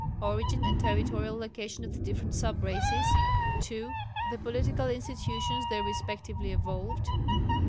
Origin and territorial location of the different sub races. 2. The political institutions they respectively evolved.